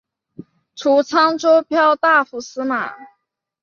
除沧州骠大府司马。